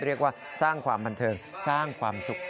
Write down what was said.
เรียกว่าสร้างความบันเทิงสร้างความสุข